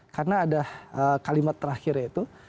karena ada kalimat terakhir yaitu